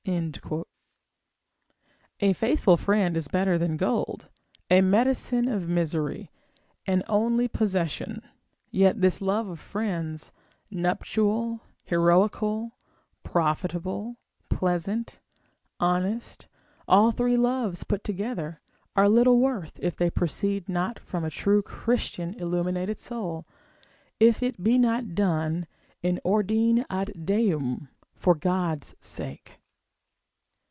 A faithful friend is better than gold, a medicine of misery, an only possession; yet this love of friends, nuptial, heroical, profitable, pleasant, honest, all three loves put together, are little worth, if they proceed not from a true Christian illuminated soul, if it be not done in ordine ad Deum for God's sake.